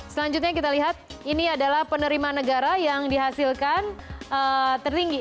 selanjutnya kita lihat ini adalah penerimaan negara yang dihasilkan tertinggi